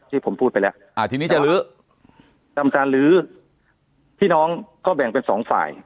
ที่ผมพูดไปแล้วอ่าทีนี้จะลื้อทำการลื้อพี่น้องก็แบ่งเป็นสองฝ่าย